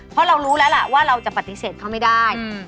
เพราะเรารู้แล้วล่ะว่าเราจะปฏิเสธเขาไม่ได้